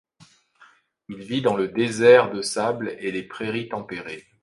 Il vit dans les déserts de sables et les prairies tempérées.